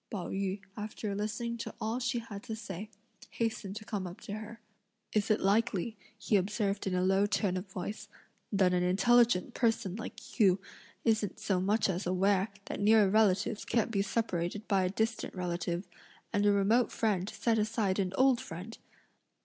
Pao yü, after listening to all she had to say, hastened to come up to her. "Is it likely," he observed in a low tone of voice, "that an intelligent person like you isn't so much as aware that near relatives can't be separated by a distant relative, and a remote friend set aside an old friend!